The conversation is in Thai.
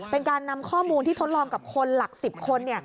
เป็นการนำข้อมูลที่ทดลองกับคนหลัก๑๐คน